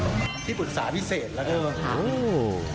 เป็นเป็นเป็นเป็นเป็นเป็นเป็นเป็นเป็นเป็นเป็นเป็น